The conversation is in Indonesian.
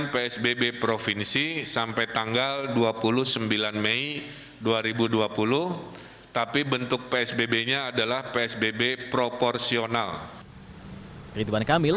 kepala pembangunan kabupaten dan kota